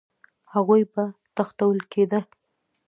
هغوی به تښتول کېده